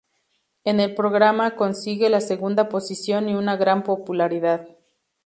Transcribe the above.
En el programa consigue la segunda posición y una gran popularidad.